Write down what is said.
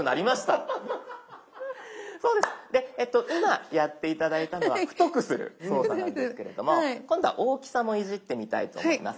今やって頂いたのは太くする操作なんですけれども今度は大きさもいじってみたいと思います。